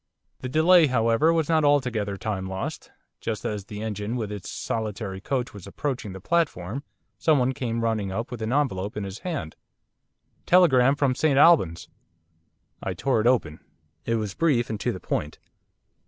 The delay, however, was not altogether time lost. Just as the engine with its solitary coach was approaching the platform someone came running up with an envelope in his hand. 'Telegram from St Albans.' I tore it open. It was brief and to the point.